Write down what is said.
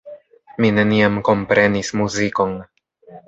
Mi neniam komprenis muzikon.